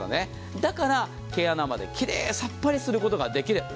だから毛穴まできれいさっぱりすることができる。